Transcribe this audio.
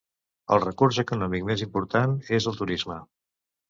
El recurs econòmic més important és el turisme.